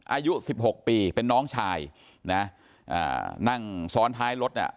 อายุสิบหกปีเป็นน้องชายนะอ่านั่งซ้อนท้ายรถอ่ะ